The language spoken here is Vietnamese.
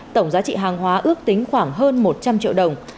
tổng giá trị hàng hóa ước tính khoảng hơn một trăm linh triệu đồng